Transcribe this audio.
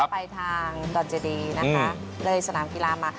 ไปทางดอนเจดีนะคะเลยสนามกีฬามา